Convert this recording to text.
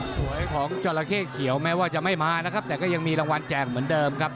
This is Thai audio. สวยของจราเข้เขียวแม้ว่าจะไม่มานะครับแต่ก็ยังมีรางวัลแจกเหมือนเดิมครับ